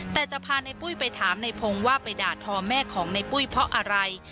แต่จะพาในปุ้ยไปถามในพงศ์ว่าไปด่าทอแม่ของในปุ้ยเพราะอะไร